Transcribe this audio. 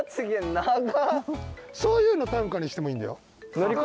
そういうの短歌にしてもいいんだよ。